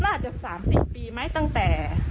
อาจจะ๓๐ปีไหมตั้งแต่